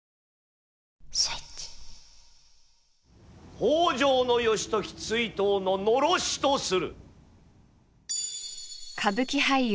北条義時追討の狼煙とする。